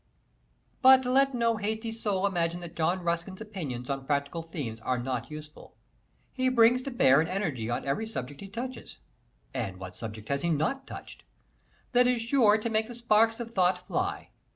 But let no hasty soul imagine that John Ruskin's opinions on practical themes are not useful. He brings to bear an energy on every subject he touches (and what subject has he not touched?) that is sure to make the sparks of thought fly.